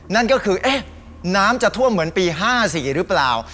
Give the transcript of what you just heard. นั่นก็คือเอ๊ะน้ำจะท่วมเหมือนปี๕๔หรือเปล่า